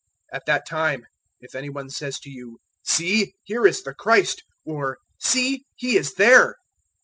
013:021 "At that time if any one says to you, 'See, here is the Christ!' or 'See, He is there!'